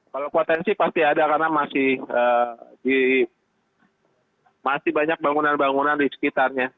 kalau potensi pasti ada karena masih banyak bangunan bangunan di sekitarnya